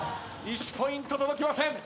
１ポイント届きません。